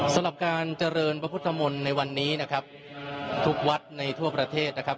สำหรับการเจริญพระพุทธมนต์ในวันนี้นะครับทุกวัดในทั่วประเทศนะครับ